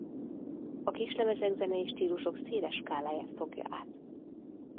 A kislemezek zenei stílusok széles skáláját fogják át.